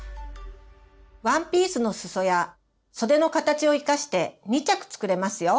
ワンピースのすそや袖の形を生かして２着作れますよ。